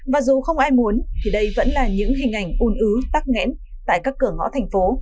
và dù không ai muốn thì đây vẫn là những hình ảnh un ứ tắc nghẽn tại các cửa ngõ thành phố